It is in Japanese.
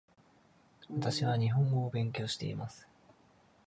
私は日本語を勉強しています